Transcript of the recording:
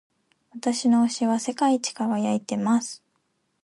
私の押しは世界一輝いている。